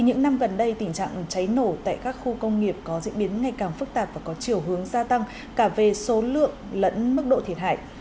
những năm gần đây tình trạng cháy nổ tại các khu công nghiệp có diễn biến ngày càng phức tạp và có chiều hướng gia tăng cả về số lượng lẫn mức độ thiệt hại